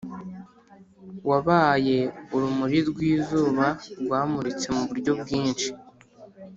wabaye urumuri rw'izuba rwamuritse muburyo bwinshi.